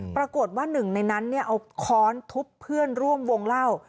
ปรากฏว่าหนึ่งในนั้นเอาค้อนทุบเพื่อนร่วมวงเล่า